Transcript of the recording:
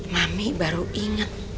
mami baru inget